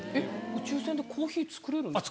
宇宙船でコーヒー作れるんですか？